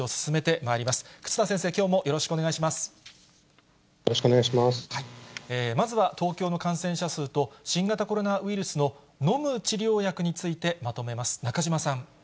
まずは、東京の感染者数と、新型コロナウイルスの飲む治療薬についてまとめます。